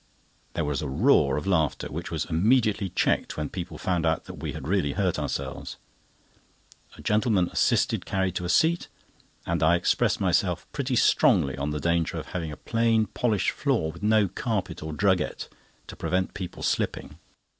There was a roar of laughter, which was immediately checked when people found that we had really hurt ourselves. A gentleman assisted Carrie to a seat, and I expressed myself pretty strongly on the danger of having a plain polished floor with no carpet or drugget to prevent people slipping.